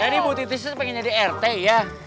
jadi bu titius tuh pengen jadi rt ya